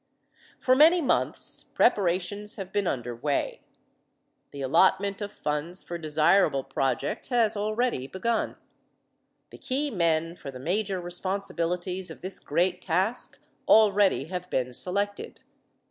For many months preparations have been under way. The allotment of funds for desirable projects has already begun. The key men for the major responsibilities of this great task already have been selected.